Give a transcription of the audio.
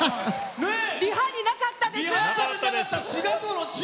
リハになかったです！